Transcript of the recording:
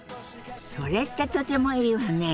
それってとてもいいわね！